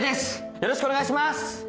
よろしくお願いします！